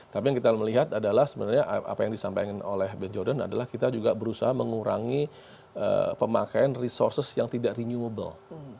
tapi yang kita melihat adalah sebenarnya apa yang disampaikan oleh ben jordan adalah kita juga berusaha mengurangi pemakaian resources yang tidak renewable